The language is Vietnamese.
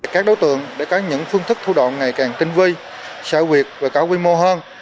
các đối tượng đã có những phương thức thu đoạn ngày càng tinh vi xã huyệt và cao quy mô hơn